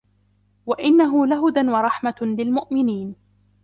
وَإِنَّهُ لَهُدًى وَرَحمَةٌ لِلمُؤمِنينَ